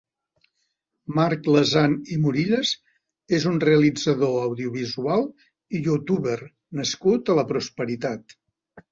Marc Lesan i Morillas és un realitzador audiovisual i youtuber nascut a La Prosperitat.